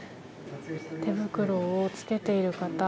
手袋を着けている方